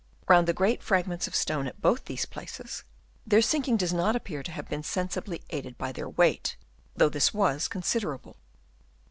161 round the great fragments of stone at both these places, their sinking does not appear to have been sensibly aided by their weight, though this was considerable.